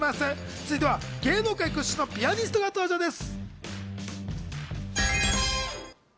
続いては芸能界屈指のピアニストが登場です。